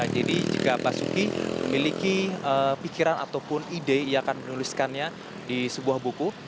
jadi juga basuki memiliki pikiran ataupun ide yang akan menuliskannya di sebuah buku